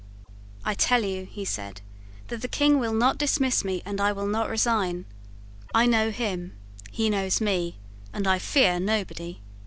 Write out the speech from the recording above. "I tell you," he said, "that the King will not dismiss me, and I will not resign. I know him: he knows me; and I fear nobody."